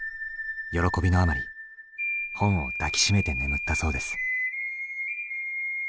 喜びのあまり本を抱きしめて眠ったそうです。